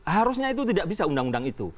harusnya itu tidak bisa undang undang itu